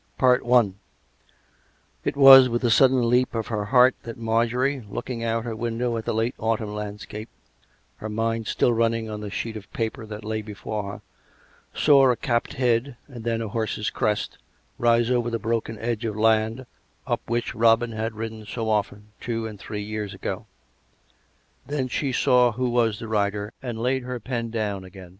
PART II CHAPTER I It was with a sudden leap of her heart that Marjorie, looking out of her window at the late autumn landscape, her mind still running on the sheet of paper that lay before her, saw a capped head, and then a horse's crest, rise over the broken edge of land up which Robin had ridden so often two and three years ago. Then she saw who was the rider, and laid her pen down again.